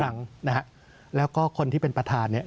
แหละก็คนที่เป็นประธานเนี่ย